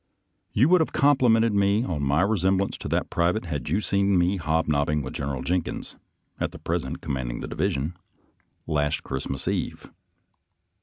You would have complimented me on my re semblance to that private had you seen me hob nobbing with General Jenkins, at present com manding the division, last Christmas Eve.